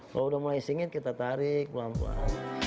kalau sudah mulai singit kita tarik pelan pelan